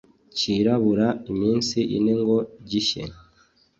cyirabura iminsi ine ngo gishye